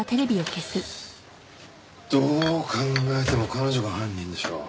どう考えても彼女が犯人でしょう。